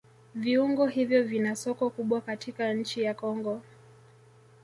Viuongo hivyo vina soko kubwa katika nchi ya Kongo